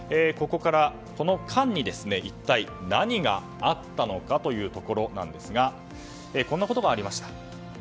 ここから、この間に一体何があったのかというところなんですがこんなことがありました。